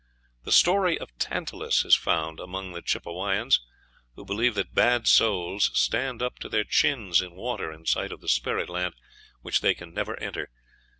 The story of Tantalus is found among the Chippewayans, who believed that bad souls stand up to their chins in water in sight of the spirit land, which they can never enter.